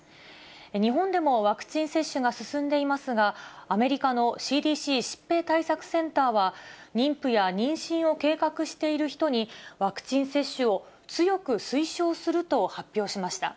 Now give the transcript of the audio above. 日本でもワクチン接種が進んでいますが、アメリカのＣＤＣ・疾病対策センターは、妊婦や妊娠を計画している人に、ワクチン接種を強く推奨すると発表しました。